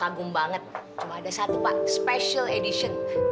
ibu yang udah banyak kesahin